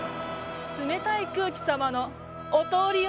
冷たい空気様のお通りよ。